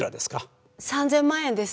３０００万円です。